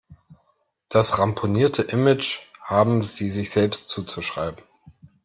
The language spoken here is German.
Das ramponierte Image haben sie sich selbst zuzuschreiben.